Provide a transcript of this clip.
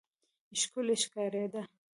ښکلی ښکارېده.